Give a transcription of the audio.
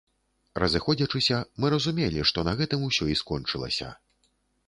Разыходзячыся, мы разумелі, што на гэтым усё і скончылася.